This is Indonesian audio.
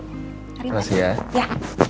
terima kasih ya